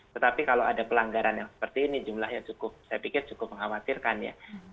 tetapi kalau ada pelanggaran yang seperti ini jumlahnya cukup saya pikir cukup mengkhawatirkan ya